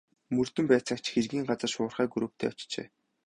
Мөрдөн байцаагч хэргийн газар шуурхай групптэй очжээ.